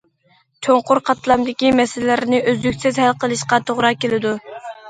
چوڭقۇر قاتلامدىكى مەسىلىلەرنى ئۈزلۈكسىز ھەل قىلىشقا توغرا كېلىدۇ.